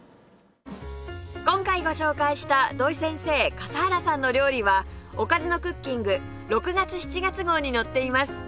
今回ご紹介した土井先生笠原さんの料理は『おかずのクッキング』６月７月号に載っています